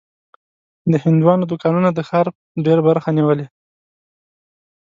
د هندوانو دوکانونه د ښار ډېره برخه نیولې.